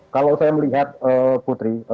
kalau saya melihat putri